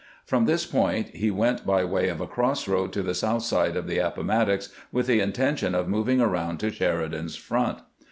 From this point he went by way of a cross road to the south side of the Appomattox, with the intention of moving arpund to Sheridan's front.